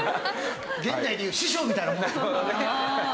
現代でいう「師匠！」みたいなものです。